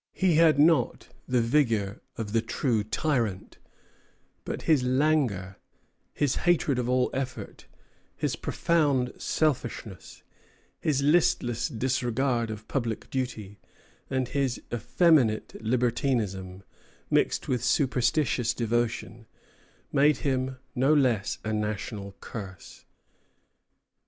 He had not the vigor of the true tyrant; but his langour, his hatred of all effort, his profound selfishness, his listless disregard of public duty, and his effeminate libertinism, mixed with superstitious devotion, made him no less a national curse.